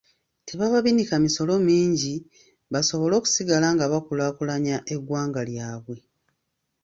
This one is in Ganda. Tebababinika misolo mingi, basobole okusigala nga bakulaakulanya eggwanga lyabwe.